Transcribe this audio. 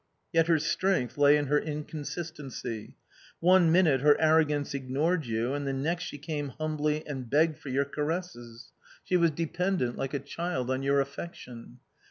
Yet her strength lay in her inconsistency. One minute her arrogance ignored you and the next she came humbly and begged for your caresses; she was dependent, like a child, on your affection.